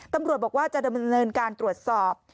ตำรวจบอกว่าจะดำเนินการตรวจสอบ